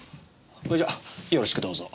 それじゃよろしくどうぞ。